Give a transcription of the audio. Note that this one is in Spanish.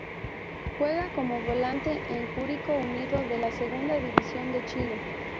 Juega como volante en Curicó Unido de la Segunda división de Chile